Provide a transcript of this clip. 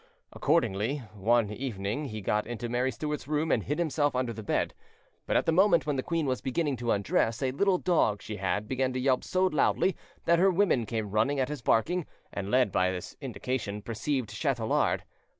Accordingly, one evening he got into Mary Stuart's room, and hid himself under the bed; but at the moment when the queen was beginning to undress, a little dog she had began to yelp so loudly that her women came running at his barking, and, led by this indication, perceived Chatelard.